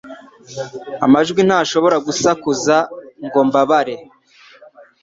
Amajwi ntashobora gusakuza ngo mbabare